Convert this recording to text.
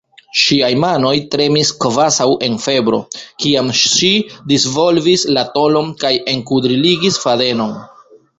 Ŝiaj manoj tremis kvazaŭ en febro, kiam ŝi disvolvis la tolon kaj enkudriligis fadenon.